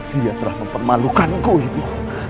dia telah mempermalukanku ibu